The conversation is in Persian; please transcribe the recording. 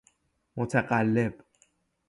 متقلب